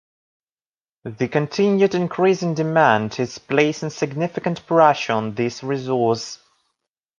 The continued increase in demand is placing significant pressure on this resource.